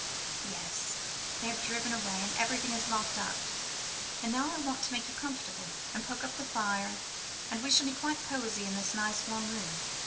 "Yes; they have driven away, and everything is locked up, and now I want to make you comfortable, and poke up the fire, and we shall be quite cosy in this nice warm room."